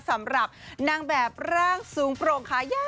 สำหรับนางแบบร่างสูงโปร่งค่ะ